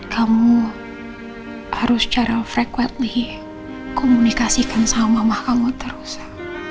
kamu harus secara frequently komunikasikan sama mama kamu terus sah